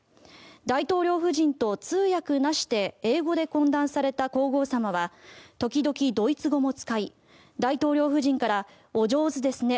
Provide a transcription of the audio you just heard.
大統領夫人と通訳なしで英語で懇談された皇后さまは時々、ドイツ語も使い大統領夫人から、お上手ですね